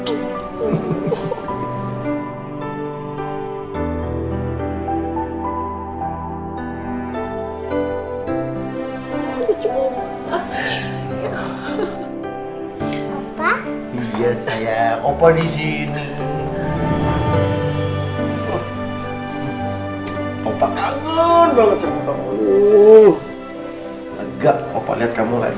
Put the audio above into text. aduh oma senang sekali kamu udah pulang